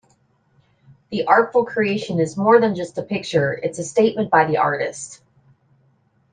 This artful creation is more than just a picture, it's a statement by the artist.